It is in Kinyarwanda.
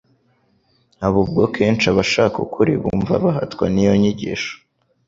Haba ubwo kenshi abashaka ukuri bumva bahatwa n'iyo nyigisho